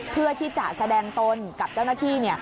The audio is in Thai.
เพื่อที่จะแสดงตนกับเจ้าหน้าที่